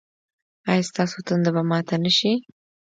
ایا ستاسو تنده به ماته نه شي؟